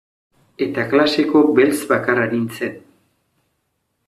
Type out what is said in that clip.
Eta klaseko beltz bakarra nintzen.